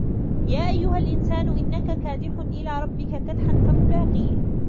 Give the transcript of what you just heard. يا أَيُّهَا الإِنسانُ إِنَّكَ كادِحٌ إِلى رَبِّكَ كَدحًا فَمُلاقيهِ